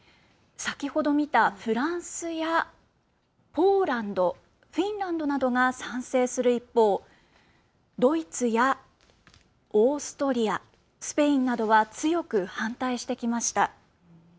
先ほど見たフランスやポーランドフィンランドなどが賛成する一方ドイツやオーストリアスペインなどは強く反対してきました。